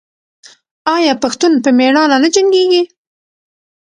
آیا پښتون په میړانه نه جنګیږي؟